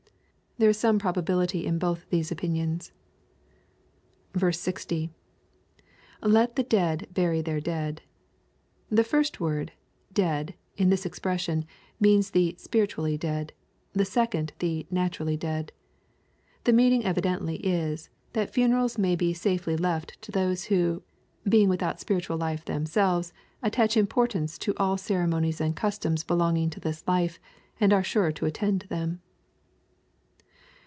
There is some probability in both these opinions. 60. — [Let the dead hury their *l&jid.] The first word, " dead," in this expression, means the " spirit* /.ally dead," the second the "naturally dead." The meaning evideudy is, th^t funeralu may be safely left to those who, being withonJ spiritiisil life themselves, attach im portance to all ceremonies ^Cli customs belonging to this life, and are sure to attend to them.